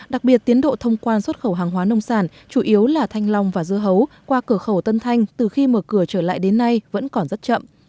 đặc biệt tiến độ thông quan xuất khẩu hàng hóa nông sản chủ yếu là thanh long và dưa hấu qua cửa khẩu tân thanh từ khi mở cửa trở lại đến nay vẫn còn rất chậm